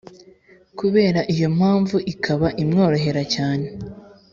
, kubera iyo mpamvu ikaba imworohera cyane.